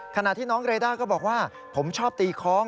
ขณะที่น้องเรด้าก็บอกว่าผมชอบตีคล้อง